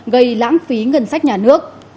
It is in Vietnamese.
gây lãng phí ngân sách nhà nước